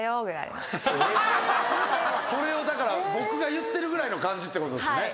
それをだから僕が言ってるぐらいの感じってことですよね？